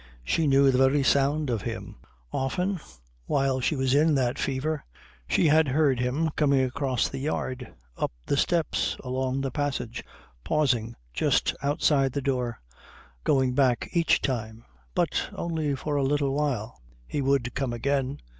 She knew the very sound of him. Often, while she was in that fever, she had heard him coming across the yard, up the steps, along the passage, pausing just outside the door, going back each time, but only for a little while. He would come again.